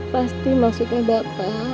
pasti maksudnya bapak